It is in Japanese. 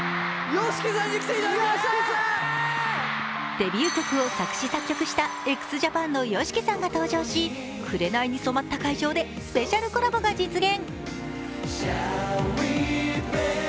デビュー曲を作詞・作曲したＸＪＡＰＡＮのＹＯＳＨＩＫＩさんが登場し紅に染まった会場でスペシャルコラボが実現。